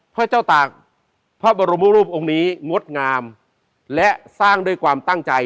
พระเจ้าตากพระบรมรูปองค์นี้งดงามและสร้างด้วยความตั้งใจ